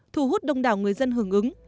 thu hút đông đảo người dân hưởng ứng